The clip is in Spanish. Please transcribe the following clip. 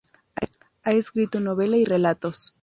Ha escrito novela y relatos.